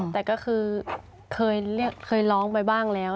แต่ก็คือเคยเรียกเคยร้องไปบ้างแล้ว